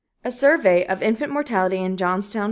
A survey of infant mortality in Johnstown, Pa.